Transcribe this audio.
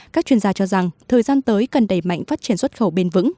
các chuyên gia cho rằng thời gian tới cần đẩy mạnh phát triển xuất khẩu bền vững